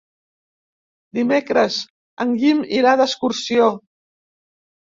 Dimecres en Guim irà d'excursió.